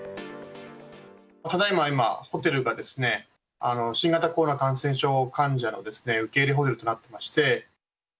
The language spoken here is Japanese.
ただ今、ホテルが新型コロナ感染症の受け入れホテルとなってまして。